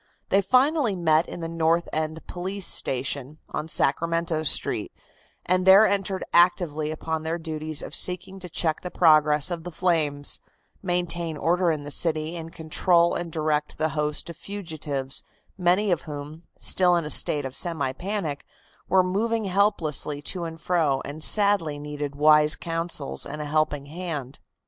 They finally met in the North End Police Station, on Sacramento Street, and there entered actively upon their duties of seeking to check the progress of the flames, maintain order in the city and control and direct the host of fugitives, many of whom, still in a state of semi panic, were moving helplessly to and fro and sadly needed wise counsels and a helping hand.